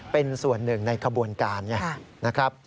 เป็นส่วนหนึ่งในขบวนการ